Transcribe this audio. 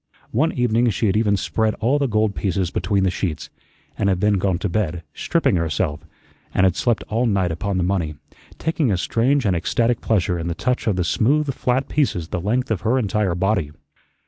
One evening she had even spread all the gold pieces between the sheets, and had then gone to bed, stripping herself, and had slept all night upon the money, taking a strange and ecstatic pleasure in the touch of the smooth flat pieces the length of her entire body.